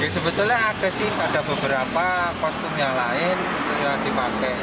sebetulnya ada sih ada beberapa kostum yang lain yang dipakai